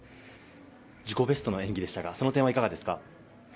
自己ベストの演技でしたがその点はいかがでしたか？